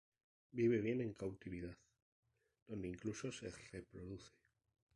Vive bien en cautividad, donde incluso se reproduce.